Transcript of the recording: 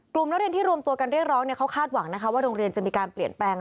นักเรียนที่รวมตัวกันเรียกร้องเขาคาดหวังนะคะว่าโรงเรียนจะมีการเปลี่ยนแปลง